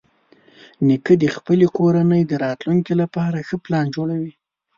نیکه د خپلې کورنۍ د راتلونکي لپاره ښه پلان جوړوي.